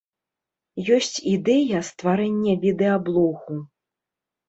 Ёсць ідэя стварэння відэаблогу.